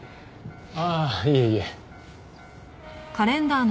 ああいえいえ。